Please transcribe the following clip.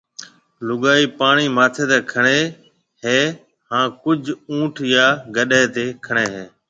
لوگائيَ پاڻِي ماٿيَ تيَ کڻيَ ھيَََ ھان ڪجھ اُونٺ يا گڏَي تيَ کڻيَ ھيََََ